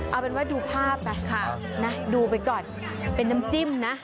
เอาเป็นว่าดูภาพไปดูไปก่อนเป็นน้ำจิ้มนะ